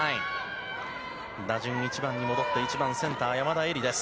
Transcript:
打順１番に戻って１番センター、山田恵里です。